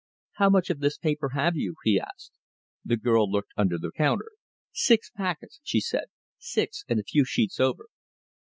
"How much of this paper have you?" he asked. The girl looked under the counter. "Six packets," she said. "Six, and a few sheets over."